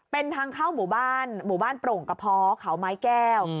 เป็นทางเข้าหมู่บ้านหมู่บ้านโปร่งกระเพาะเขาไม้แก้ว